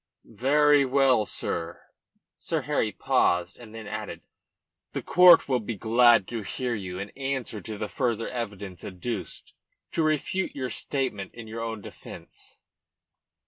"Very well, sir." Sir Harry paused and then added "The court will be glad to hear you in answer to the further evidence adduced to refute your statement in your own defence."